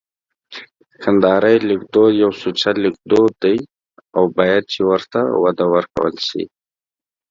کندهارۍ لیکدود یو سوچه لیکدود دی او باید چي ورته وده ورکول سي